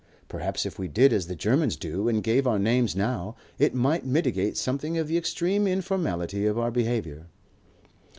Perhaps if we did as the Germans do and gave our names now, it might mitigate something of the extreme informality of our behaviour."